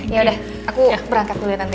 ya udah aku berangkat dulu ya tante